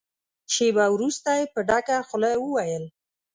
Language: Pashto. شېبه وروسته يې په ډکه خوله وويل.